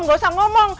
nggak usah ngomong